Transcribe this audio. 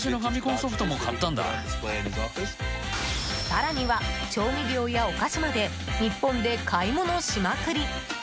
更には調味料やお菓子まで日本で買い物しまくり。